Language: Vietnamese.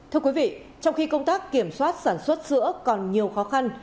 thưa quý vị trong khi công tác kiểm soát sản xuất sữa còn nhiều khó khăn